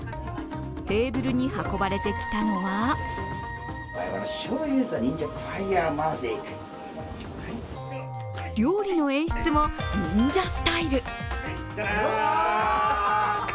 テーブルに運ばれてきたのは料理の演出も忍者スタイル。